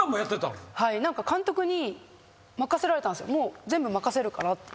もう全部任せるからって言われて。